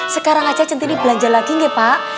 sekarang aja centini belanja lagi nggak pak